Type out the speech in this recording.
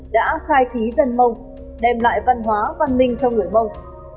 đã khai trí dân mông đem lại văn hóa văn minh cho người mông